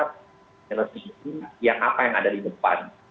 kita harus mengikuti yang apa yang ada di depan